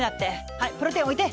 はいプロテイン置いて。